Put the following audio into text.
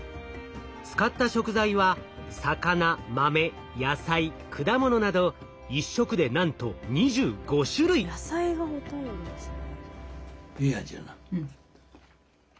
使った食材は魚豆野菜果物など１食でなんと野菜がほとんどですね。